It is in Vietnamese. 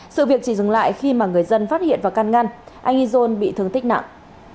sự việc chỉ dừng lại khi mà người dân phát hiện và can ngăn anh izon bị thương tích nặng